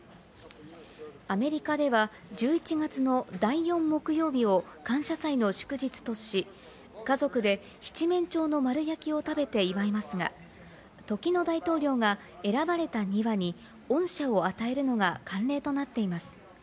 アメリカでは１１月の第４木曜日を感謝祭の祝日とし、家族で七面鳥の丸焼きを食べて祝いますが、時の大統領が選ばれた２羽に恩赦を与えるのが慣例となっています。